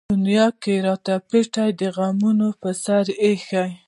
دنيا کۀ راته پېټے د غمونو پۀ سر اېښے